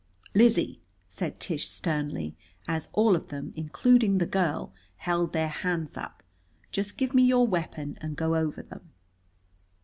"Lizzie," said Tish sternly, as all of them, including the girl, held their hands up, "just give me your weapon and go over them."